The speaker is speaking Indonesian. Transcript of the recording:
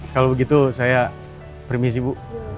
kalau begitu saya permisi bu